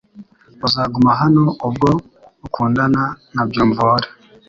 Uzaguma hano, ubwo ukundana na Byumvuhore .